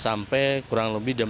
sampai kurang lebih jam satu